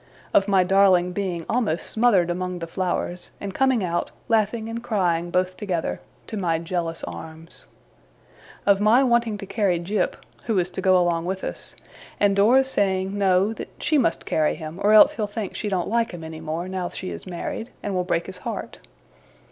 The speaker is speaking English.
Of my darling being almost smothered among the flowers, and coming out, laughing and crying both together, to my jealous arms. Of my wanting to carry Jip (who is to go along with us), and Dora's saying no, that she must carry him, or else he'll think she don't like him any more, now she is married, and will break his heart.